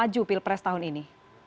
jupil pres tahun ini